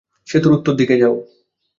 সেতুর উত্তর দিকে যাও।